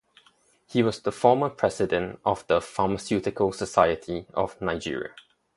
He was the former president of the Pharmaceutical Society of Nigeria.